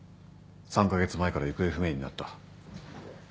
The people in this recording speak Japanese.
３カ月前から行方不明になった。